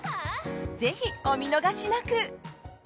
ぜひお見逃しなく！